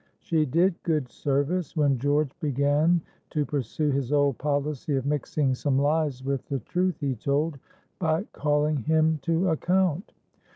She did good service, when George began to pursue his old policy of mixing some lies with the truth he told, by calling him to account.